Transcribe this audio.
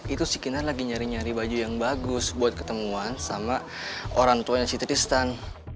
itu si kinan lagi nyari nyari baju yang bagus buat ketemuan sama orang tuanya si tristan